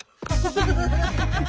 ハハハハハ！